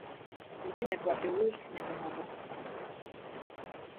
urwanya rwa beowulf na nyina wa